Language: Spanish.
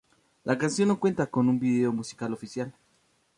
La canción no cuenta con un vídeo musical oficial.